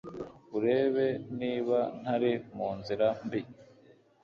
urebe niba ntari mu nzira mbi